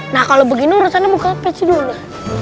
nah kalau begini urusannya buka pesi dulu